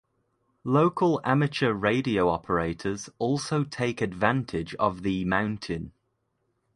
Local amateur radio operators also take advantage of the mountain.